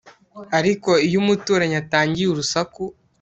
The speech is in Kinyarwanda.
ariko iyo umuturanyi atangiye urusaku